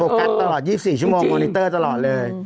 กัสตลอด๒๔ชั่วโมงมอนิเตอร์ตลอดเลย